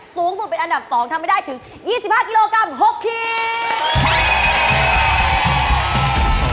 สูงสุดเป็นอันดับ๒ทำให้ได้ถึง๒๕กิโลกรัม๖ที